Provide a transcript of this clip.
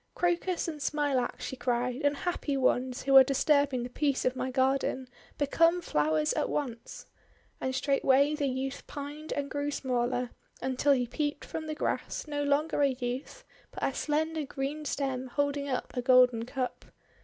'Crocus and Smilax!' she cried. 'Unhappy ones, who are disturbing the peace of my garden ! Become flowers at once!' And straightway the youth pined and grew smaller, until he peeped from the grass, no longer a youth, but a slender green stem holding up a golden cup.